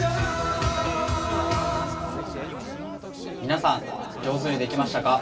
皆さん、上手にできましたか？